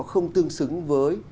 không tương xứng với